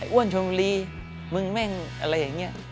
ไอ้อ้วนชมลีมึงแม่งอะไรอย่างนี้